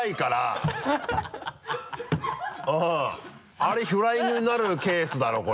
あれフライングになるケースだろこれ。